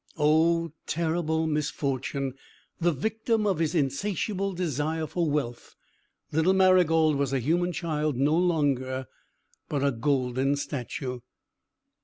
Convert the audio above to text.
Oh, terrible misfortune! The victim of his insatiable desire for wealth, little Marygold was a human child no longer, but a golden statue!